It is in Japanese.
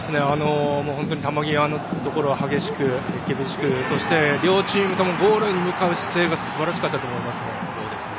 球際のところ、本当に激しく、厳しく、両チームともゴールに向かう姿勢がすばらしかったと思います。